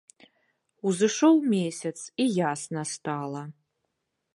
Узышоў месяц, і ясна стала.